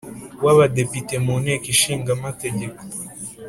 W abadepite mu nteko ishinga amategeko